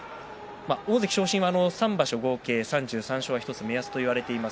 大関昇進は３場所合計３３勝が１つの目安といわれています。